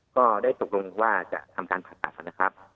ก็ได้ตกลงว่าจะทำสร้างของคุณนะครับ